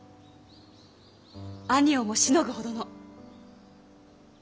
兄をもしのぐほどの。